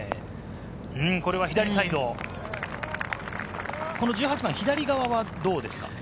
これは左サイド、１８番、左側はどうですか？